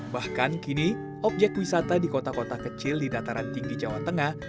bahkan kini objek wisata di kota kota kecil di dataran tinggi jawa tengah